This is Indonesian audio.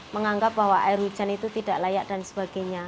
menganggap bahwa air hujan itu tidak layak dan sebagainya